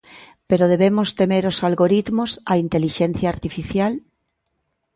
Pero debemos temer os algoritmos, a intelixencia artificial?